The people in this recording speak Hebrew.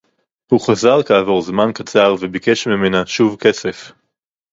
הוא חזר כעבור זמן קצר וביקש ממנה שוב כסף